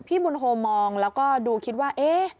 พี่บุญโฮมองแล้วก็ดูคิดว่าเอ๊ะ